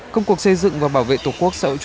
công cuộc xây dựng và bảo vệ tổ chức